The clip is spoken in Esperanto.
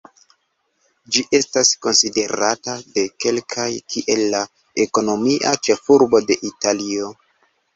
Ĝi estas konsiderata de kelkaj kiel la ekonomia ĉefurbo de Italio.